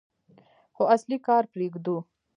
خو اصلي کار پرېږدو.